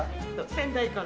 仙台から。